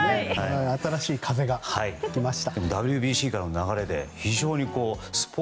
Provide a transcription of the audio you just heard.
新しい風が吹きました。